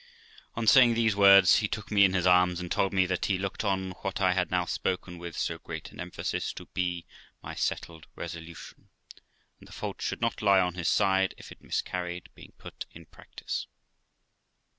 On saying these words, he took me in his arms, and told me that he looked on what I had now spoken with so great an emphasis, to be my settled resolution, and the fault should not lie on his side if it miscarried being put in practice.